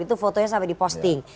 itu fotonya sampai diposting